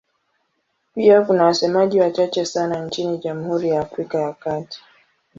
Pia kuna wasemaji wachache sana nchini Jamhuri ya Afrika ya Kati.